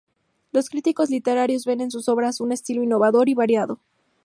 Los críticos literarios ven en sus obras un estilo innovador y variado.